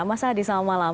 mas adi selamat malam